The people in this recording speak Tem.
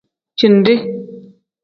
Ciidi.